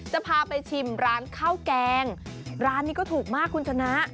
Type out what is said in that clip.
จะพาไปชิมร้านข้าวแกงร้านนี้ก็ถูกมากคุณชนะ